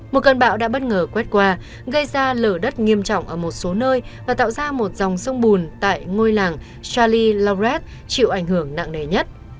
một cơn bão đã bất ngờ quét qua gây ra lở đất nghiêm trọng ở một số nơi và tạo ra một dòng sông bùn tại ngôi làng chàli lauret chịu ảnh hưởng nặng nề nhất